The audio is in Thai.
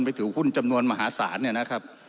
ถือหุ้นจำนวนมหาศาลเนี่ยนะครับ